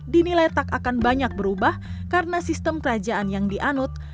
dinilai tak akan banyak berubah karena sistem kerajaan yang dianut